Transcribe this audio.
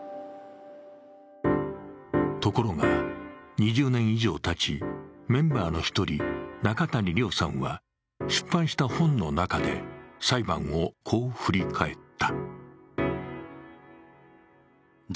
ところが２０年以上たち、メンバーの１人、中谷良さんは出版した本の中で裁判をこう振り返った。